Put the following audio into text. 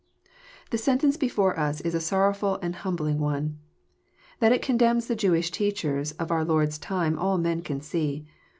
The sentence before us is ^.sorrowful and humbling one. That it condemns the Jewish teachers of our Lord's time all men can see.